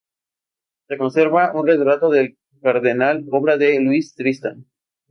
Se conserva un retrato del cardenal obra de Luis Tristán.